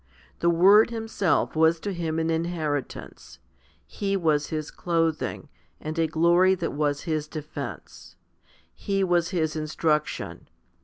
The Word Himself was to him an inheritance ; He was his clothing, and a glory that was his defence ; x He was his instruction.